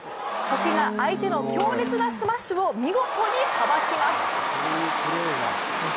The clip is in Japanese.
保木が相手の強烈なスマッシュを見事にさばきます。